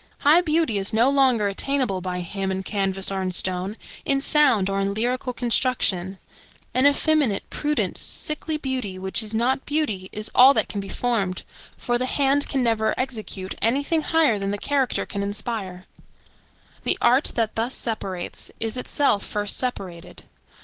High beauty is no longer attainable by him in canvas or in stone, in sound, or in lyrical construction; an effeminate, prudent, sickly beauty, which is not beauty, is all that can be formed; for the hand can never execute any thing higher than the character can inspire. The art that thus separates is itself first separated.